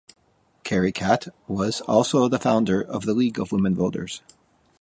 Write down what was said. Carrie Catt was also the founder of the League of Women Voters.